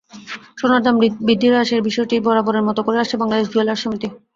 সোনার দাম বৃদ্ধি হ্রাসের সিদ্ধান্তটি বরাবরের মতো করে আসছে বাংলাদেশ জুয়েলার্স সমিতি।